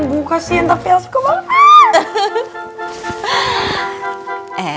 bu kasihan tapi el suka banget